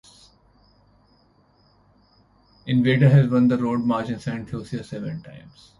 Invader has won the Road March in Saint Lucia seven times.